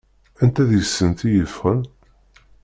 Anta deg-sen i yeffɣen?